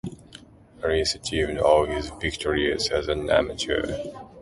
Allis achieved all his victories as an amateur.